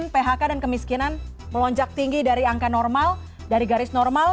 phk dan kemiskinan melonjak tinggi dari angka normal dari garis normal